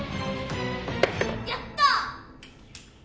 やった！